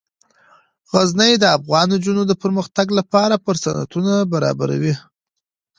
غزني د افغان نجونو د پرمختګ لپاره فرصتونه برابروي.